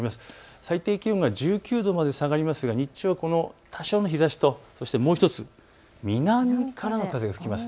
最低気温が１９度まで下がるので日中は多少の日ざしとそしてもう１つ南からの風が吹きます。